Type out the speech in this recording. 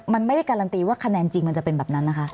มันไม่ได้การันตีว่าคะแนนจริงมันจะเป็นแบบนั้นนะคะ